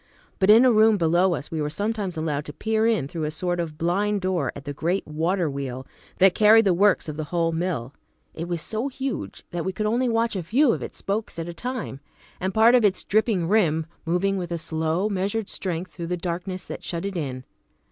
But in a room below us we were sometimes allowed to peer in through a sort of blind door at the great water wheel that carried the works of the whole mill. It was so huge that we could only watch a few of its spokes at a time, and part of its dripping rim, moving with a slow, measured strength through the darkness that shut it in.